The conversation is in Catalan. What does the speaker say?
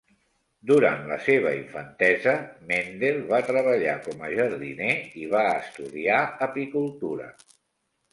Durant la seva infantesa, Mendel va treballar com a jardiner i va estudiar apicultura.